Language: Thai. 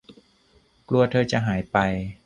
กลัวเธอจะหายไป